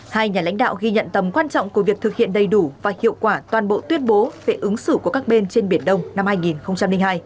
hai nhà lãnh đạo ghi nhận tầm quan trọng của việc thực hiện đầy đủ và hiệu quả toàn bộ tuyên bố về ứng xử của các bên trên biển đông năm hai nghìn hai